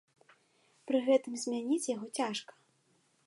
Пры гэтым змяніць яго цяжка.